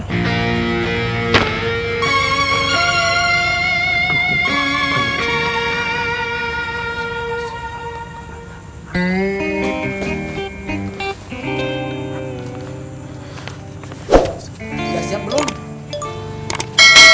tidak siap belum